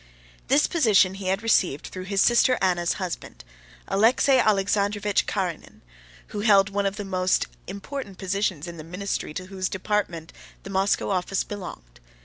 This post he had received through his sister Anna's husband, Alexey Alexandrovitch Karenin, who held one of the most important positions in the ministry to whose department the Moscow office belonged.